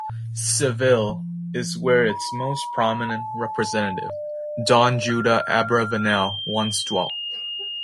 Seville is where its most prominent representative, Don Judah Abravanel, once dwelt.